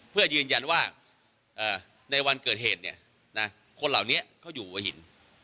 เพื่อยืนยันว่าในวันเกิดเหตุคนเหล่านี้เขาอยู่หัวหิน